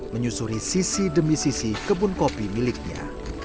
menyusuri sisi demi sisi kebun kopi miliknya